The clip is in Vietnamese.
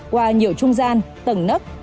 qua nhiều trung gian tầng nấc